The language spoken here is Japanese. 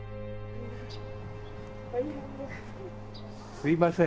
すいません